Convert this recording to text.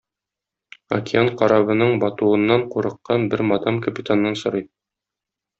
Океан корабының батуыннан курыккан бер мадам капитаннан сорый